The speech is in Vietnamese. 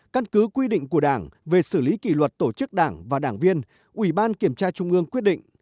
căn cứ quy định của đảng về xử lý kỷ luật tổ chức đảng và đảng viên ủy ban kiểm tra trung ương quyết định